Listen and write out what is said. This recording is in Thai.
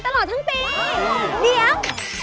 ตลอดทั้งปีเดี๋ยว